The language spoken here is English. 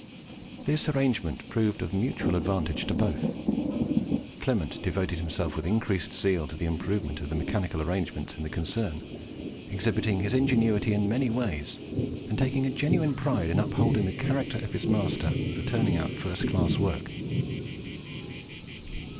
This arrangement proved of mutual advantage to both. Clement devoted himself with increased zeal to the improvement of the mechanical arrangements of the concern, exhibiting his ingenuity in many ways, and taking; a genuine pride in upholding the character of his master for turning out first class work.